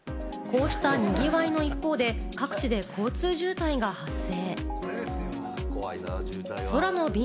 こうしたにぎわいの一方で、各地で交通渋滞が発生。